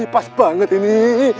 pas banget ini